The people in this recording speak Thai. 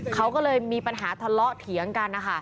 เขาก็เลยมีปัญหาทะเลาะเถียงกันนะคะ